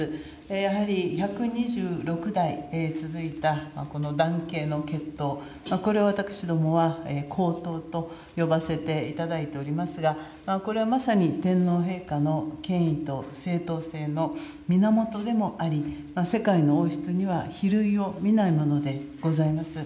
やはり１２６代続いたこの男系の血統、これを私どもは皇統と呼ばせていただいておりますが、これはまさに天皇陛下の権威と正統性の源でもあり、世界の王室には比類を見ないものでございます。